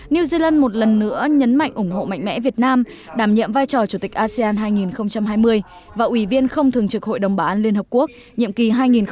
new zealand một lần nữa nhấn mạnh ủng hộ mạnh mẽ việt nam đảm nhiệm vai trò chủ tịch asean hai nghìn hai mươi và ủy viên không thường trực hội đồng bảo an liên hợp quốc nhiệm kỳ hai nghìn hai mươi hai nghìn hai mươi một